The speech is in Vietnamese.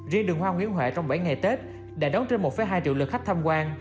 riêng đường hoa nguyễn huệ trong bảy ngày tết đã đón trên một hai triệu lượt khách tham quan